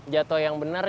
jatuh yang benar